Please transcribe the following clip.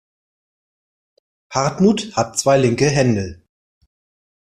Hartmut hat zwei linke Hände.